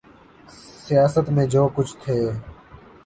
سیاست میں جو کچھ تھے۔